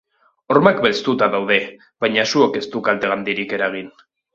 Hormak belztuta daude, baina suak ez du kalte handirik eragin.